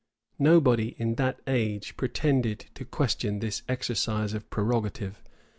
[*] Nobody in that age pretended to question this exercise of prerogative.